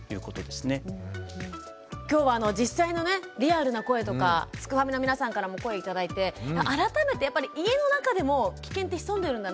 今日は実際のねリアルな声とかすくファミの皆さんからも声頂いて改めてやっぱり家の中でもキケンって潜んでるんだなって思いましたね。